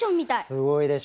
すごいでしょ？